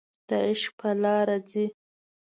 د عشق په لاره ځي